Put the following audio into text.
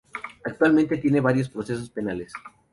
Actualmente tiene varios procesos penales.